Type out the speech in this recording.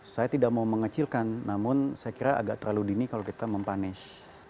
saya tidak mau mengecilkan namun saya kira agak terlalu dini kalau kita mempunish